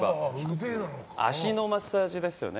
脚のマッサージですよね。